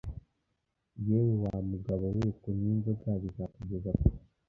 Yewe wa mugabo we kunywa inzoga bizakugeza kuki?